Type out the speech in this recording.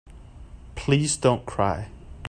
Please don't cry.